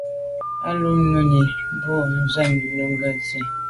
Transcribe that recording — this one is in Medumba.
Á wʉ́ Nùmí nɔ́ɔ̀ cúp mbʉ̀ á swɛ́ɛ̀n Nùŋgɛ̀ dí.